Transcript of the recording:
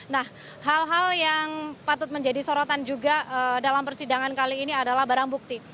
nah hal hal yang patut menjadi sorotan juga dalam persidangan kali ini adalah barang bukti